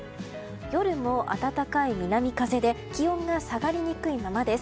夜も暖かい南風で気温が下がりにくいままです。